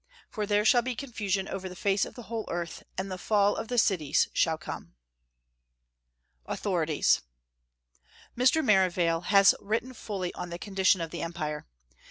For there shall be confusion over the face of the whole earth, and the fall of cities shall come." AUTHORITIES. Mr. Merivale has written fully on the condition of the empire.